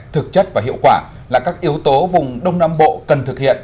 thực chất và hiệu quả là các yếu tố vùng đông nam bộ cần thực hiện